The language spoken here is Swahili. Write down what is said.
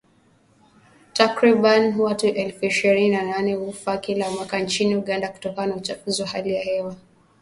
Takriban watu elfu ishirini na nane hufa kila mwaka nchini Uganda kutokana na uchafuzi wa hali ya hewa